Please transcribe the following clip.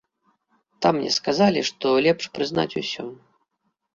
Там мне сказалі, што лепш прызнаць усё.